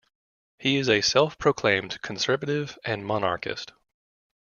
He is a self-proclaimed conservative and monarchist.